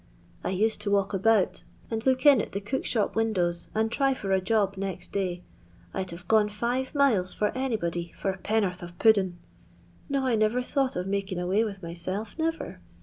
I used to walk about and look in at the cook shop windows, and try for a job next day. / *d have gone Jive miles for anybody for a penn*ortk qf pudden. No, I never thought of making away with myself; never.